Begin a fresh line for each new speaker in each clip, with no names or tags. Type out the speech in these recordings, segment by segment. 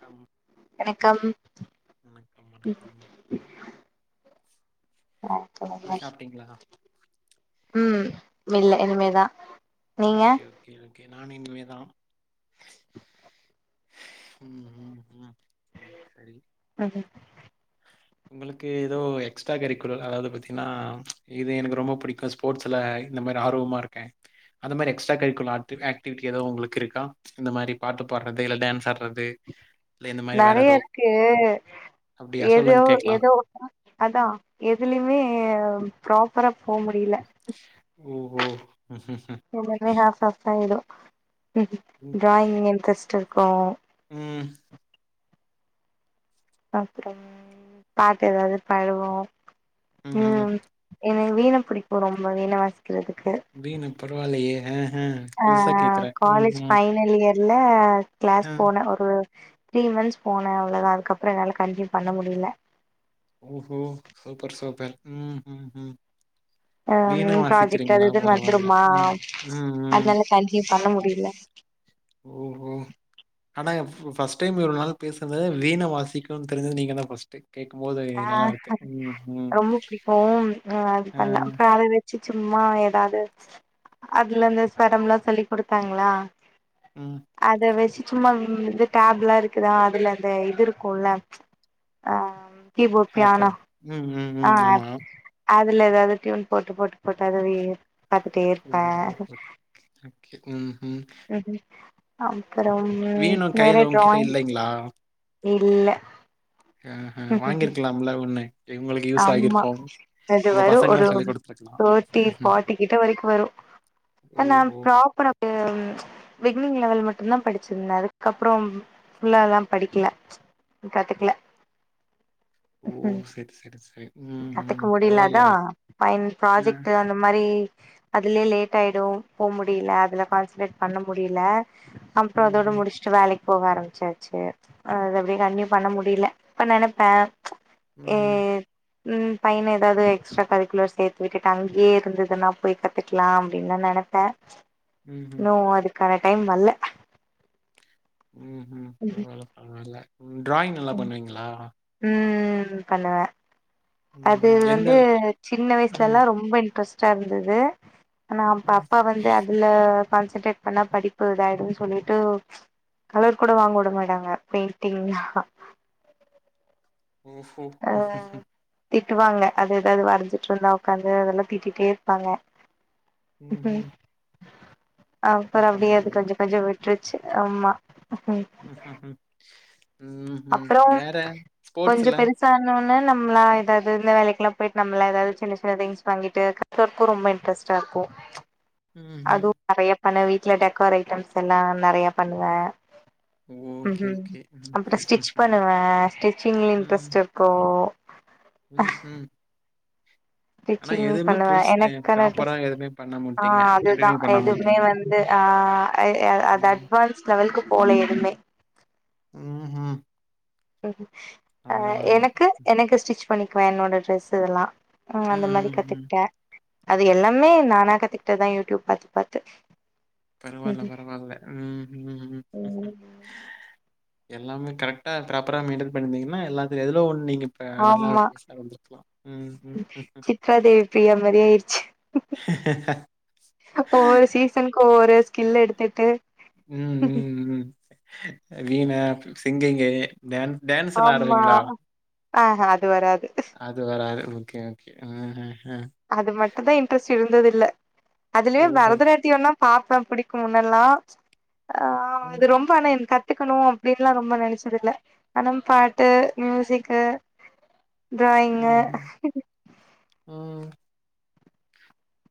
Come
வணக்கம்
வணக்கம்
ம்
வணக்கம் டீ
[unintelligible]
சாப்ட்டீங்களா
ம் இல்ல இனிமேதா நீங்க
ஓகே ஓகே ஓகே நானு இனிமே தா ம் ம் ம் சேரி
அது
உங்களுக்கு எதோ எக்ஸ்ட்ரா கரிக்குலர் அதாவ்து பாத்தீங்கன்னா இது எனக்கு ரொம்ப புடிக்கு சொ போர்ட்ஸில இந்த மாரி ஆர்வமா இருக்கே அந்த மாரி எக்ஸ்ட்ரா கரிக்குலர் ஆகி ஆக்டிவிட்டி எதா உங்களுக்கு இருக்கா இந்த மாரி பாட்டு பாடுறது இல்ல டான்ஸ் ஆடுறது இல்ல இந்த மாரி வேற
நறைய
ஏதோ
இருக்கு
அப்டியா
ஏதோ
சொல்லுங்க கேக்கலா
ஏதோ அதா எதுலயுமே ப்ராப்பரா போ முடியல
ஓ ஓ
[unintelligible] சாப்ட் ஆயிடு
ம்ஹ்ஹ்ம்.
டிராயிங் இன்ட்ரெஸ்ட் இருக்கு
ம்
அப்பறம் பாட்டு ஏதாவது பாடுவோ ம் எனக்கு வீணை பிடிக்கும் ரொம்ப வீணை வாசிக்கிறதுக்கு
வீணை பரவால்லயே அ அ
அ காலேஜ் பைனல் இயர்ல கிளாஸ்
ஆ
போனே ஒரு த்ரீ மந்த்ஸ் போனே அவ்வள தான அதுக்கப்பறோ என்னால்ல கண்டினியூ பண்ண முடியல
ஓஹோ சூப்பர் சூப்பர் ம் ம்
அ
வீண
ப்ராஜெக்ட் அது
வாசிக்கிறீங்களா?
இதுன்னு
பரவால்ல.
வந்துருமா
ம், ம், ம்.
அதனால கண்டினியூ பண்ண முடியல
ஓ ஓ ஆனா ஃபஸ்ட் டைம் இவ்வளவு நாள் பேசுனதுல வீண வாசிக்கும்னு தெரிஞ்சது நீங்க தான் ஃபஸ்ட் கேக்கும் போது
அ ரொம்ப பிடிக்கும் அ அது
ஆ,
பண்ணல அப்பறம் அது சும்மா ஏதாவது அதுல இருந்து ஸ்வரம்ல்லா சொல்லி கொடுத்தாங்களா
ம்
அத வச்சு சும்மா இது டேப் எல்லா இருக்குதா அதுல அந்த இது இருக்கும்ல அ
ஆப் ம் ம்
ஆ
ம் ஆமா
அதுல ஏதாவது டியூன் போட்டு போட்டு போட்டு அதுவே பாத்துட்டே
ஓ!
இருப்பே
ஓகே ம் ம்
அப்பறம்
வீணும் கையில
நெறைய
உங்ககிட்ட
டிராயிங்
இல்லைங்களா?
இல்ல
அ வாங்கிருக்கலாம்ல ஒண்ணு உங்களுக்கு யூஸ்
ஆமா
ஆகியிருக்கும்.
அது
உங்க
வரு ஒரு
பசங்களுக்கு சொல்லிக் குடுத்துருக்கலாம்.
தேட்டி
ம்ஹ்ம்.
ஃபார்ட்டி கிட்ட வரைக்கு வரு இப்ப நா
ஓஹோ!
பிராப்பரப்பு பிகினிங் லெவல் மட்டு தான் படிச்சிருந்தே அதுக்கப்பறம் ஃபுல்லாதான் படிக்கல கத்துக்கல
ஓ
ம்
சேரி சேரி சேரி
கத்துக்க முடியலா அதா பைன்
அ.
ப்ராஜெக்ட் அந்த மாரி அதுலேயே லேட் ஆயிடு போக முடியல அதுல கான்சன்ட்ரேட் பண்ண முடியல அப்பறோ அதோடு முடிச்சு
ம்ஹ்ம்.
முடிச்சு வேலைக்கு போக ஆரம்பிச்சாச்சு அது அப்டியே கண்டியூ பண்ண முடியல இப்ப நெனைப்பே
ம்
ம் பையன் ஏதாவது எக்ஸ்ட்ரா கரிக்குலர் சேத்து விட்டுட்டு அங்கே இருந்ததுன்னா போய் கத்துக்கலா அப்டின்னு தா நெனப் ப்பேன்
ம்ஹ்ம்.
இன்னும் அதுக்கான டைம் வல்ல
ம்ம்
ம்
நல்ல டிராயிங் நல்லா பண்ணுவீங்ளா
ம் பண்ணுவே அது
ம்ஹ்ம். எந்த
வந்து சின்ன வயசுலலா
ம்,
ரொம்ப இன்ரெஸ்ட் இருந்தது ஆனா அப்ப
ம்.
அப்பா வந்து அதுல கான்சன்ட்ரேட் பண்ணா படிப்பு இதாயிடுன்னு சொல்லிட்டு கலர் கூட வாங்க உட மாடாங்க பெயிண்டிங் அ
ஓ
அ திட்டுவாங்க அது எதாவது வரைஞ்சிட்டு இருந்தா உட்காந்து அதலா திட்டிடே இருப்பாங்க
ம் ம்
அப்றோ அப்டிய அது கொஞ்ச கொஞ்ச விட்ருச்சி ஆமா ம்
ம் ம் ம் வேற ஸ்போர்ஸ்ல
சார்ன அனானே நம்மளா ஏதாவது இந்த வேலைக்குல்லா போயிட்டு நம்மளா எதாவது சின்ன சின்ன திங்ஸ் வாங்கிட்டு எனக்கு ரொம்ப இன்ட்ரெஸ்டா இருக்கு
ம்ஹ்ம்.
அதுவு நறைய பண்ணுவே வீட்ல டெக்கேர் ஐட்டம்ஸ் எல்லா நெறைய பண்ணுவ
ஓகே ஓகே
ஸ்டிச் பண்ணுவ ஸ்டிச்சிங்லியு இன்ட்ரெஸ்ட் இருக்கு
ம் ம் ஆனா
ஸ்டிச்சிங்
எதுவுமே
பண்ணுவே
புடிச்
எனக்கான
ஃப்ராப்பரா
ட்ரெஸ்
எதுவுமே பண்ணாம
ஆ
விட்டிங்க
அதுதா
கண்டினியூ பண்ணாம
எதுவுமே
விட்டிங்க
வந்து அ அத் அது அட்வான்ஸ் லெவலுக்கு போல எதுமே
ம் ம்
எனக்கு எனக்கு ஸ்டிச் பண்ணிக்வே என்னோட ட்ரெஸ் லா அ அந்த
ம்,
மாரி
ம், ம்.
கத்துக்கிட்ட அது எல்லாமே நானா கத்துகிட்டதா யூடிப் பாத்து பாத்து
பரவால்ல
ம்ஹும்
பரவால்ல ம் ம் ம்
ம்
எல்லாமே கரெக்டா ப்ராப்பரா மெயின்டெனா பண்ணி இருந்தீங்னா எல்லாத்து எதுலோ ஒன்னு நீங்க இப்ப நல்லா
ஆமா
பெருசா வந்திருக்கலாம். ம், ம்.
சித்ரா தேவி பிரியா மாரி ஆயிடுச்சு ஒவ்வொரு சீசனுக்கு ஒவ்வொரு ஸ்கில் எடுதுட்டு
ம் ம் ம் வீண சிங்கிங்கு டான் டான்
ஆமா ஆ அ அது வராது
அது வராது ஓகே ம் ம் ம்
அது மட்டு தா இன்ட்ரெஸ்ட் இருந்தது இல்ல அதுலயு
ஓஹோ!
பரதநாட்டியு தா பாப்ப புடிக்கு முன்னெலா ஆ
ம்,
அது ரொம்ப ரொம்ப எனக் கத்துகணு அப்டினுலா ரொம்ப நெனச்சதில்ல ஆனா பாட்டு மியூசிக்கு டிராயிங்கு
ம்ஹ்ம். ம்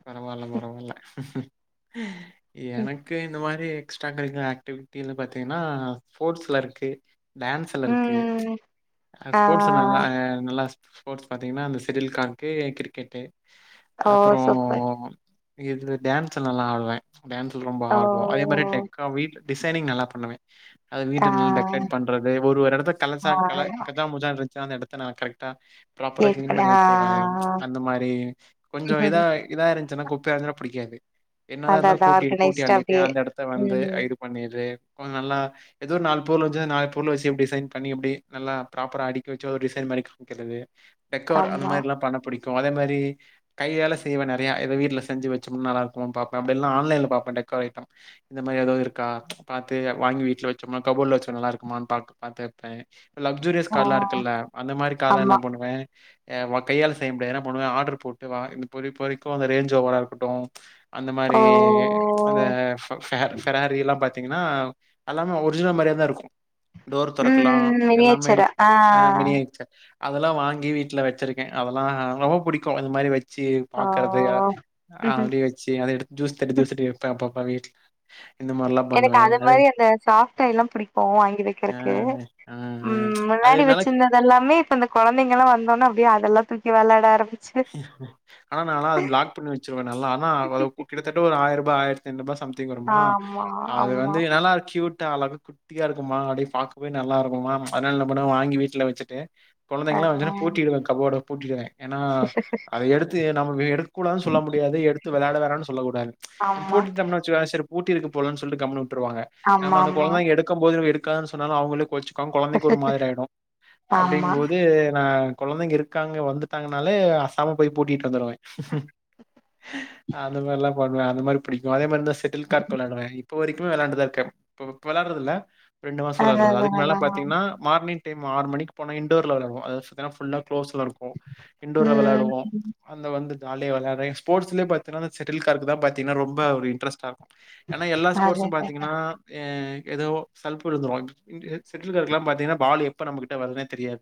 பரவால்ல பரவால்ல எனக் கு இந்த மாரி எக்ஸ்ட்ரா கரிக்குலர் ஆக்டிவிட்டினு பாத்திங்னா ஸ்போர்ட்ஸ்ல இருக்கு டான்ஸ்ல இருக்கு
ம்
அ
ஆ
ஸ்போர்ட்ஸ் ஆ நல்லா ஸ்போர்ட்ஸ் பாத்தீங்னா அந்த செடில் காக்கு கிரிகெட்டு
ஒ சுப்பர்
இது டான்ஸ் நல்லா ஆடுவே டான்ஸ்ல ரொம்ப
ஓ
ஆர்வோ அதே மாரி டெக்கா வீ டிசனிங் நல்லா பண்ணுவ அந்த
ஆ
வீட்ட நல்ல டெக்கரேட் பண்றது ஒரு ஒரு எடத்த
ஆ
காசு காச்ச முச்ச இருந்தா அந்த எடத்த கரெக்டா ப்ராப்பரா கிளீன்
பண்ண
பண்ணி
ஆ
வச்சிருவ அந்த மாரி கொஞ்ச இதா இதா இருத்துச்சினா குப்பையா இருந்துச்சுனா புடிக்காது என்னதா
அதா
இருந்தாலு
அதா
கூட்டி கூட்டி
ஆர்கனைஸ்டா
அழிட்டு
அப்டியே
அந்த இடத்த வந்து
ம்
இது பண்ணிட்டு கொஞ்ச நல்லா ஏதோ ஒரு நால் பொருள் இருச்சா நாலு‌ பொருள வச்சு டிசைன் பண்ணி நல்ல ப்ராப்பரா அடிக்கி வச்சு ஒரு டிசைன் பண்ணி வக்கறது டேக்கர் அந்த
ஆமா
மாரி எல்லா பண்ண புடிக்கு அதே மாரி கையள செய்வ நெறையா இத வீட்ல செஞ்சு வச்சா நல்ல இருக்கு பாப்ப அப்டி இல்ல ஆன்லைன்ல பாப்ப டெக்கர்‌ அய்ட்டம் [unintelligible] இந்த மாரி எதாது இருக்கா பாத்து வாங்கி வீட்ல வச்சோம்மானா கபோட்ல வச்சா நல்லாருக்குமா பா பாத்து வப்பே லக்சூரியஸ்
ஆ
கார்லா இருக்குல அந்த மாரி கார்லா
ஆமா
என்ன பண்ணுவ எ ஓ கையால செய்ய முடியாது ஏனா போனமே ஆர்டர் போட்டு வா இப்ப இப்ப இப்ப அந்த ரேஞ்ச் ஓவரா இருக்கட்டு அந்த மாரி
ஓ
அந்த ஃபெ ஃபெராரிலா பாத்தீங்கன்னா அல்லாமே ஒரிஜினல் மாரிய தா இருக்கு டோர் தொறக்கலா
ம்
எல்லாமே
மினியேச்சரா
ஆ மினிய ஆயிடுச்சு அதெல்லா வாங்கி வீட்ல வச்சிருக்கே அதெல்லா ரொம்ப புடிக்கு அந்த மாரி வச் வச்சி
ஆ
பாக்குறதயா
ம்ஹ்ம்.
அப்டி வச்சி அத எடுத்து ஜூஸ் தட்டி ஜூஸ் தட்டி எடுப்பே அப்ப அப்ப வீட்ல இந்த மாரிலாம்
எனக்கு
பண்ணுவேன்.
அது
அதே
மாரி அந்த சாப்டைலா புடிக்கு வாங்கி
அ
வைக்கிறக்கு
அ
ம்
அது
முன்னாடி
நல்லா
வச்சிந்த அதெல்லாமே இப்ப இந்த கொழந்தங்களா வந்தோனே அப்டியே அதெல்லா தூக்கி விளாடா ஆரம்பிக்
ஆனா நாலா அது பிளாக் பண்ணி வச்சிருவே நாலா ஆனா கிட்டத்தட்ட ஒரு ஆயிரூபா ஆயிரத் டென் ரூபா சம்திங் வருமா
ஆமா
அது
ஆமா
வந்து நல்லா கியூட்டா அழகுக்கு குட்டியா இருக்குமா அப்டியே பாக்கவே நல்லா இருக்குமா அதனால என்ன பண்ணுவே வாங்கி வீட்ல வச்சிட்டு
ஆ
கொழந்தைங்கள்னா வந்துச்சினா பூட்டிருவே கபோட பூட்டிருவே ஏனா அத எடுத்து நம்ம எடுக்கூடாதுனு சொல்ல முடியாது எடுத்து விளையாட வேனானு சொல்ல கூடாது நம்
ஆமா
பூட்டிட்டோம்னு வச்சுக்க பூட்டிருக்கு போலன்னு சொல்ட்டு கம்முனு விட்டுருவாங்க நம்ம
ஆமா
அந்த
ஆமா
கொழந்தங்க எடுக்கும் போது எடுக்காதனு சொன்னால அவுங்களே கோவுச் க கொழந்தைக்கு ஒரு மாரி ஆயிடு
ஆமா
அப்டிங்கும்போது நா கொழந்தைங்க இருக்காங்க வந்துட்டாங்கனாலே அசாம போய் பூட்டிட்டு வந்துருவே அந்த மாரிலா பண்ணுவே அந்த மாரி புடிக்கு அதே மாரிதா செட்டில்க்காட் வெளாடுவே இப்ப வரைக்குமே வெளாண்டுதா இருக்கே இப்ப வெளாடுறது இல்ல ரெண்டு மாச
அதா
வெளாடுறதில்ல
அதா
அதுக்கு மின்னால
அதாங்க
பாத்தீங்கன்னா மார்னிங டைம் ஆறு மணிக்கு போன இண்டோர்ல் வெளாடுவோ அத சிக்னா ஃபுல்லா குளோஸ்ல இருக்கு இன்டோர் வெளாடுவோ
ம்
அந்த வந்து ஜாலிய வெளையாடுற ஸ்ஃபோட்ஸ்லே பாத்தீனா அந்த செட்டில் ஹார்க்தா பாத்தீனா ரொம்ப ஒரு இன்ட்ரஸ்டானா ஏனா எல்லா
அதே
ஸ்போர்ட்ஸ்சு
அதே
பாத்தீங்கன்னா ஏதோ சலப்பு விழுந்துரு செ செட்டில்கார்க்ல்லா பாத்தீங்கன்னா பால் எப்ப நம்மகிட்ட வருதுனே தெரியாது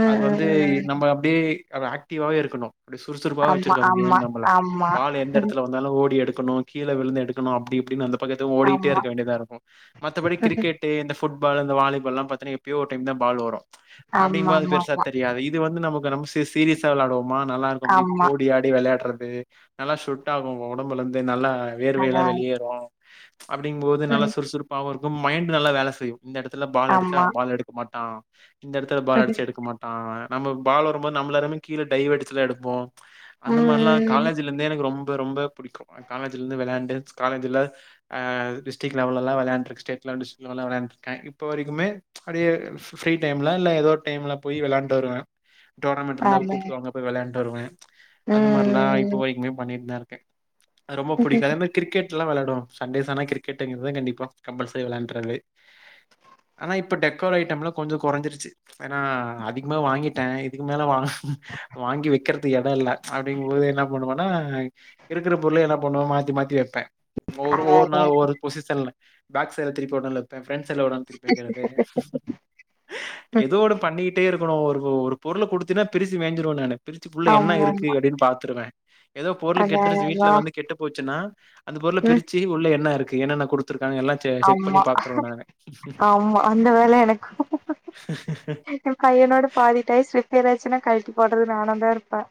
ம்
அது
ம்
வந்து
ம்
நம்ப அப்டியே ஆக்டிவாவே இருக்குணு அப்டி சுறுசுறுப்பாவே
ஆமா
வச்சிருக்கு அந்த கேம்
ஆமா
நம்பள
ஆமா
பால் எந்த எடத்துல வந் தாலு ஓடி எடுக்கணு கீழ விழுந்து எக்கணு அப்டி இப்டினு அந்த பக்கட்டு ஓடிட்டே
ஆமா
இருக்க வேண்டியதா இருக்கு மத்தபடி கிரிக்கெட் டு இந்த ஃபுட்பால் இந்த வாலிபால் பாத்தீனா எப்யோ ஒரு டைம் தா பால் வரு
ஆமா
அப்டிங்போது
ஆமா
பெருசா தெரியாது இது வந்து நமக்கு நம் சீரியஸ்சா வெளையாடுவோமா நல்லா இருக்கு அப்டி
ஆமா
ஓடியாடி வெளையாடுறது நல்லா ஸ்சுட் ஆகு ஒடம்புல இருந்து நல்லா வேர்வைல்லா
அதா
வெளியேறு அப்டிங்கும் போது நல்லா சுறுசுறுப் பாவு இருக்கு மைண்ட் நல்லா வேல செய்யு இந்த எடத்துல பால் அடிச்சா
ஆமா
பால் எடுக்க மாட்டா இந்த எடத்துல பால்
ம்
அடிச்சா எடுக்க மாட்டா நம்ம பால் வரும்போது நம்லரிமே கீழ டைவடிச்சலா எடுப்போ அந்த மாரிலா
ம்
காலேஜ்ல இருந்தே எனக்கு ரொம்ப ரொம்ப புடிக்கு காலேஜ்ல இருந்து வெளாண்டு காலேஜ்ல ஆ டிஸ்டிக் லெவல்லா வெளாண்ட்ருக்கு ஸ்டேட் லெவல் ஸ்டிக்லெவல்ளா வெளாண்டுருக்கே இப்ப வரைக்குமே அப்டியே ஃப்ரீ டைம்ல இல்ல ஏதோ டைம்ல போய் வெளாண்டு வருவே டோர்னமெண்ட் இருந்தா
அதே
கூப்ட்டுவாங்க போய் வெளாண்டு வருவே அந்த மாரிலா இப்போ
ம்
வரைக்குமே பண்ணிட்டு தா இருக்கே அது ரொம்ப புடிக்கு அதே மாரி கிரிக்கெட்லா வெளையாடுவே சண்டேஸ் ஆனா கிரிக்கெட்டுங்குறது கண்டிப்பா கம்பல்செரி வெளாண்றது ஆனா இப்ப டெக்கோர் ஐட்டம்லா கொஞ்சோ குறஞ்சிருச்சு ஏனா அதிகமா வாங்கிட்டே இதுக்கு மேல வாங் வாங்கி வக்கிறதுக்கு எட இல்ல அப்டிங்கும்போது என்னா பண்ணுவனா இருக்குற பொருள் என்ன பண்ணு மாத்தி மாத்தி வப்பே ஒ ஒவ்வொரு நா
அடடா
ஒவ்வொரு பொஷிசன்ல பேக் சைல திருப்பி [unintelligible] ஏ ஃப்ரெண்ட்ஸ் எல்ல ஓட திருப்பி வக்கிறது எதோட பண்ணிக்கிட்டே இருக்கணு ஒருவ ஒரு பொருள குடுத்தினா பிரிச்சி மேஞ்சிருவ நானு பிரிச்சுபுள்ள என்ன இருக்கு
ஆமாமா
அப்டின் பாத்துருவே எதோ பொருளு கெட்ருச்சு வீட்ல
அடடா
வந்து கெட்டு போச்சுன்னா அந்த பொருள
ம்
பிரிச்சு உள்ள என்ன இருக்கு என்னன்ன குடுத்துருக்காங்க எல்லா
ஆம்மா ஆம்மா அந்த வேல எனக்கு
[unintelligible]
கையனோட பாதி டாய்ஸ் ரிப்பேர் ஆயிச்சுன்னா கழட்டி போட்றது நானதா இருப்ப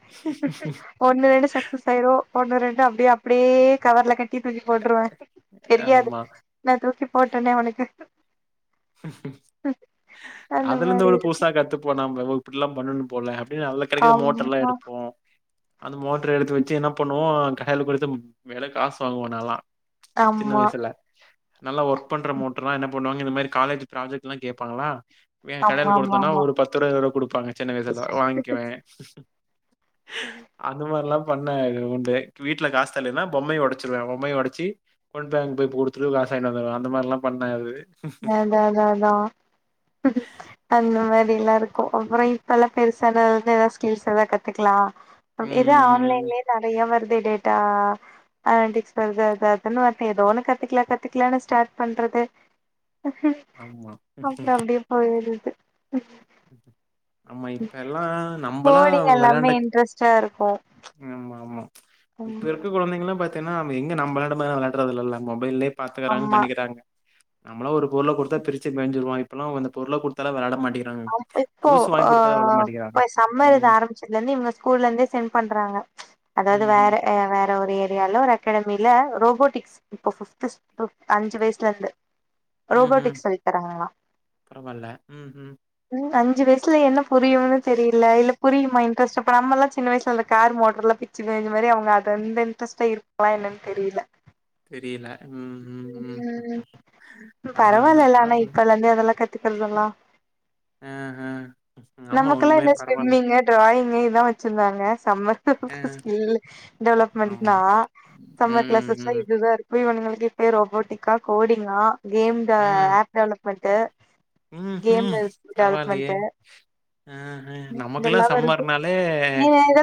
ஒன்னு ரெண்டு சக்சஸ் ஆயிரு ஒன்னு ரெண்டு அப்டே அப்டே கவர்ல கட்டி தூக்கி போட்ருவ தெரியாது
ஆமா.
நா தூக்கி போட்டனே அவனுக்கு அந்த
அதுலந்து
மாரி
அவள
இருக்கு
புதுசா கத்துப்போ நம்ப ஒ இப்பிட்லா பண்ணனு போல அல்ல கெடைக்கிற
ஆமா
மோட்டர்லா எடுப்போ அந்த மோட்ரு எடுத்து வெச்சு என்ன பண்ணுவோ கடாய்ல குடுத்து மேல காஸ் வாங்குவோ நால்லா சின்ன
ஆமா
வய்சுல நல்ல ஒர்க் பண்ற மோட்ருலா என்ன பண்ணுவாங்க இந்த மேரி காலேஜி ப்ராஜெக்ட்லா கேப்பாங்ளா கடைல
ஆமா ஆமா
குடுத்தன்னா
ஆமா
ஒரு பத்துருவா இருவருவா குடுப்பாங்க சின்ன வய்சுல வாங்க்கிவ அந்த மாரிலா பண்ண உண்டு வீட்ல காசு தர்லைய்ன்னா பொம்மைய ஒடச்சிருவே பொம்மைய ஒடச்சி கொன் பேங்க போய் குடுத்துட்டு காஸ் வாங்கிட் வந்துருவ அந்த மார்லா பண்ண அது
அதா அதா அதா அந்த மாரிலா இருக் அப்புறோ இப்பல்லா பெருசானது எதா ஸ்கில்ஸ் எதா கத்துக்லா எதா
ம்.
ஆன்லைன்ல நறையா வருதே டேட்டா அ [unintelligible] அது அது அதுன் வருது எதோ ஒன்னு கத்துக்லா கத்துக்லானு ஸ்டார்ட் பண்றது
ஆமா.
அப்றோ அப்டியே போயிருது
ஆமா இப்பல்லா நம்பளா
கோடிங்
வெளாண்ட
எல்லாமே இன்ட்ரஸ்டா இருக்கு
ஆமா, ஆமா. இப்ப
ம்
இருக்க கொழந்தைங்கல்லா பாத்தீங்கன்னா நம்ப எங்க நம்ப வெள்ளாண்ட மாரிலா வெள்ளாட்றதுல்லல்ல மொபைல்யே பாத்துக்குறாங்க
ஆமா
பண்ணிக்கிறாங்க நம்மளா ஒரு பொருள குடுத்தா பிரிச்சி மேஞ்சிருவோ இப்பலா அவுங்க அந்த பொருள குடுத்தாலே வெளயாட மாட்டிகி
இப்போ ஆ சம்மர் இது
ம்.
ஆரம் தென்னி இவுங்க ஸ்கூல்லேந்தே செம் பண்றாங்க அதாவ்து
ம்ஹ்ம்.
வேற வேற ஒரு ஏரியால ஒரு அட் கெடமில ரோபோட்டிக்ஸ் இப்போ ஃபிப்த்துஸ் ஃபிப்த் அஞ்சு வய்ஸ்லேர்ந்து
ம்ஹ்ம்.
ரோபோட்டிக்ஸ் சொல்லித்தராங்ளா
பரவால்ல ம் ம்
ம் அஞ்சு வய்சுல என்ன புரியும்னு தெரியில இல்ல புரியுமா இன்ரஸ் இப்ப நம்மளா சின்ன வய்சுல இந்த கார் மோட்ரல்லா பிச்சி மேஞ்ச மாரி அவுங்க அத இந்த இன்ட்ரஸ்டா இருக் வா என்னன் தெரியில
தெரியில ம்
ம்
அதான், அதான்.
பரவாலல்ல ஆனா
பரவால்ல.
இப்பலந்தே அதல்லா கத்துக்கற்தல்லா
அ அ
நமக்குல்லா இந்த ஸ்விம்மிங்கு ட்ராயிங்கு இதா வச்சிருந்தாங்க சம்மர் [unintelligible] ஸ்கில்
ஆமா
டெவலப்மெண்ட்னா சம்மர்
ம்
கிளாஸ்லா
ம்
இதுதா இருக் பிஇவனுங்களுக்கு இப்பே ரோபோட்டிக்கா கோடிங்கா கேம் ட
ம்
ஆப் டெவலேப்மெண்ட்டு
ம் ம் பரவால்லயே அ அ நமக்குல்லா
இதெல்லா வருது
சம்மர்னாலே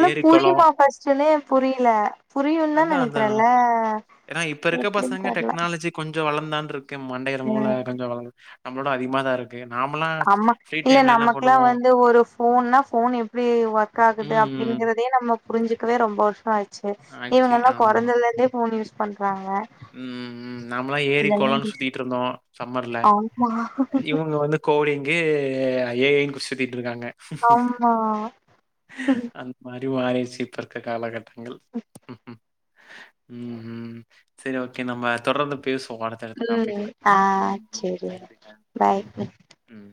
ஏரி கொளோ
சுலே ஏ புரிய்ல புரியுன்தா நெனக்கிறேல்ல
ஏனா இப்ப இருக்க பசங்க டெக்னாலஜி கொஞ்சோ வளந்தான்ருக்கு மண்டைல மூல
ம்
கொஞ்சோ வளந்த நம்ப்ளோட அதிக்மாதா இருக் நாமல்லா
ஆமா
[inaudible]
இல்ல நமக்குலா
பண்ணுவோ
வந்து ஒரு ஃபோன்னா ஃபோன் எப்டி ஒர்க் ஆகுது
ம் ம்.
அப்டிங்கறதே நம்ம புரிஞ்சுக்கவே ரொம்ப வருஷோ ஆச்சு
ஆயிடுச்சு
இவங்க எல்லா
ஆமா
பொறந்ததுல இருந்தே ஃபோன் யூஸ் பண்றாங்க
ம் ம் நம்மளா ஏரி
இதெல்லாம்
கொளன்னு
யூஸ்
சுத்திட்டு இருந்தோ சம்மர்ல
ஆமா
இவுங்க வந்து கோடீங்கு ஏ ஐ னு சுத்திட்டிருக்காங்க
ஆம்மா
மருவாய்ர்ச்சி இப்பர்க்க காலகட்டங்கள்ம் ம் சரி ஓகே நம்ம தொடர்ந்து பேசுவோ அ டுத்தடுத் டாப்பிக்ல ம் ம்
சேரி
நன்றி நன்றி ம் ம்